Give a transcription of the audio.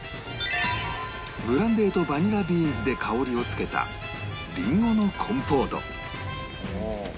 ブランデーとバニラビーンズで香りをつけたりんごのコンポート